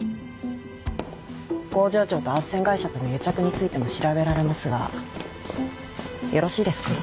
工場長と斡旋会社との癒着についても調べられますがよろしいですか？